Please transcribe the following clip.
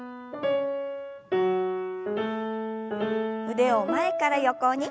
腕を前から横に。